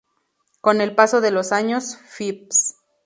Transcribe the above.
Con el paso de los años, Phys.